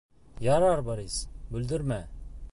— Ярар, Борис, бүлдермә.